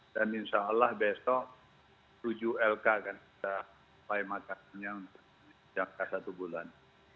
dan insya allah besok tujuh lk akan kita paham makasihnya sejak satu bulan